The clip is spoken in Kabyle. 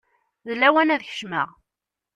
D lawan ad kecmeɣ.